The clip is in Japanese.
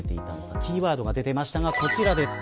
キーワードが出てましたがこちらです。